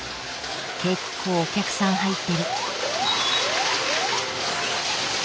結構お客さん入ってる。